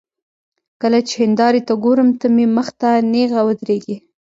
کله چې هندارې ته ګورم، ته مې مخ ته نېغه ودرېږې